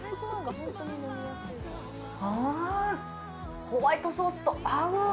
あ、ホワイトソースと合う！